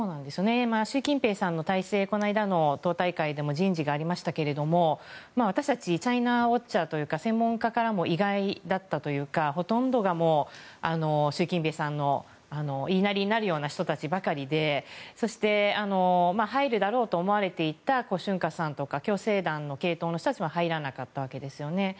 習近平さんの体制この間の党大会でも人事がありましたが私たちチャイナウォッチャーというか専門家からも意外だったというかほとんどが習近平さんの言いなりになるような人たちばかりでそして、入るだろうと思われたコ・シュンカさんとか共青団の系統の人たちも入らなかったわけですよね。